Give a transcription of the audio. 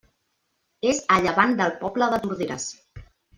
És a llevant del poble de Torderes.